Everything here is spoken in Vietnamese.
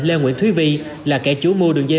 lê nguyễn thúy vi là kẻ chủ mua đường dây